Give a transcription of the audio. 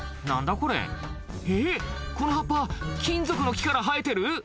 これえっこの葉っぱ金属の木から生えてる？